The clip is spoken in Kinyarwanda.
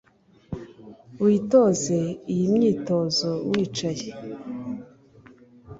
Witoze iyi myitozo wicaye